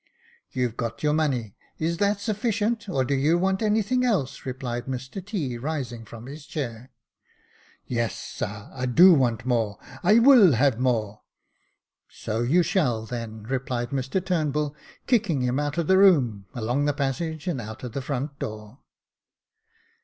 " You've got your money — is that sufficient, or do you want anything else }" replied Mr T., rising from his chair. " Yes, sar, I do want more — I will have more." " So you shall, then," replied Mr Turnbull, kicking him out of the room, along the passage and out of the front door.